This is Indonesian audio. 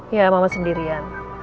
iya mama sendirian